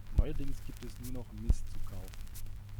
Neuerdings gibt es nur noch Mist zu kaufen.